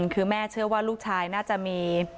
คือแม่เชื่อว่าลูกชายน่าจะมี